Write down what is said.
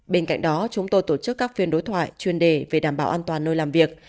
bên cạnh đó chúng tôi tổ chức các phiên đối thoại chuyên đề về đảm bảo an toàn nơi làm việc